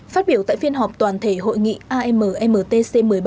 phát biểu tại phiên họp toàn thể hội nghị ammtc một mươi bảy